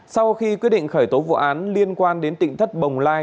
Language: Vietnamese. sau khi quyết định khởi tố vụ án liên quan đến tỉnh thất bồng lai